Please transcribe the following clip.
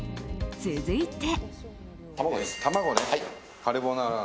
続いて。